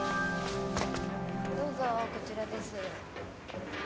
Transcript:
どうぞこちらです。